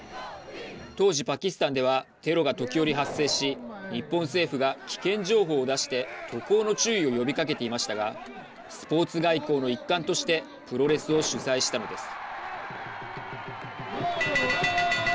当時、パキスタンではテロが時折、発生し日本政府が危険情報を出して渡航の注意を呼びかけていましたがスポーツ外交の一環としてプロレスを主催したのです。